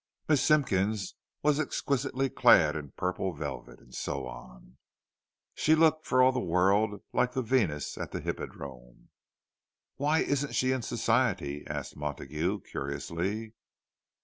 "'Miss Simpkins was exquisitely clad in purple velvet,' and so on! She looked for all the world like the Venus at the Hippodrome!" "Why isn't she in Society?" asked Montague, curiously.